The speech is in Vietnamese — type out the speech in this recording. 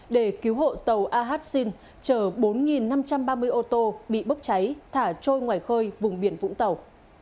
để cứu hộ tàu ahat sin chở bốn năm trăm ba mươi ô tô bị bốc cháy thả trôi ngoài khơi vùng biển vũng tàu